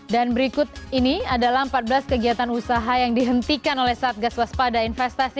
dan berikut ini adalah empat belas kegiatan usaha yang dihentikan oleh satgas waspada investasi